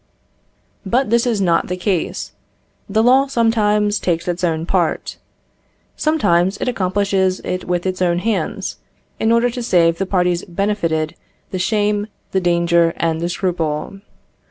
But this is not the case. The law sometimes takes its own part. Sometimes it accomplishes it with its own hands, in order to save the parties benefited the shame, the danger, and the scruple.